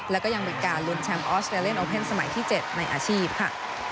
และก็ยังเป็นการรุ่นแชมป์ออสเตรเลน์โอเป็นสมัยที่๗ในอาชีพค่ะ